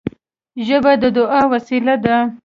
ژبه د دعا وسیله ده